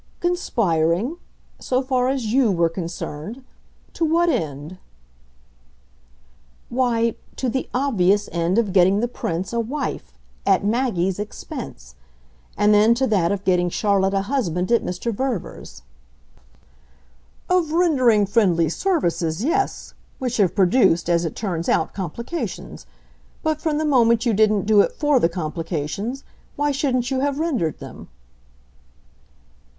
"Conspiring so far as YOU were concerned to what end?" "Why, to the obvious end of getting the Prince a wife at Maggie's expense. And then to that of getting Charlotte a husband at Mr. Verver's." "Of rendering friendly services, yes which have produced, as it turns out, complications. But from the moment you didn't do it FOR the complications, why shouldn't you have rendered them?"